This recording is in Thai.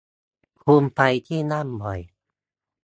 คุณไปที่นั่นบ่อย